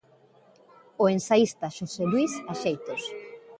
O ensaísta Xosé Luís Axeitos.